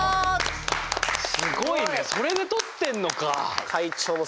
すごいねそれで取ってんのか！